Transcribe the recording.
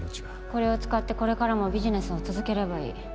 これを使ってこれからもビジネスを続ければいい